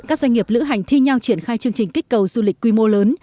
các doanh nghiệp lữ hành thi nhau triển khai chương trình kích cầu du lịch quy mô lớn